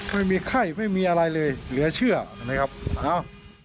ไม่มีไข้ไม่มีอะไรเลยเหลือเชื่อนะครับเอ้า